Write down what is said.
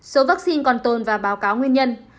số vaccine còn tồn và báo cáo nguyên nhân